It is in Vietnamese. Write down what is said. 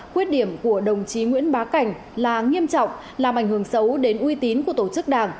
quyết điểm của đồng chí nguyễn bá cảnh là nghiêm trọng làm ảnh hưởng xấu đến uy tín của tổ chức đảng